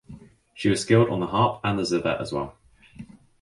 She was skilled on the harp and the zither as well.